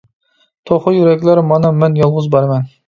-توخۇ يۈرەكلەر، مانا مەن يالغۇز بارىمەن!